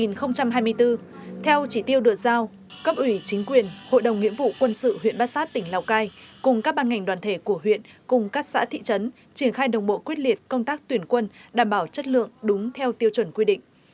năm hai nghìn hai mươi bốn theo chỉ tiêu được giao cấp ủy chính quyền hội đồng nghĩa vụ quân sự huyện bát sát tỉnh lào cai cùng các ban ngành đoàn thể của huyện cùng các xã thị trấn triển khai đồng bộ quyết liệt công tác tuyển quân đảm bảo chất lượng đúng theo tiêu chuẩn quy định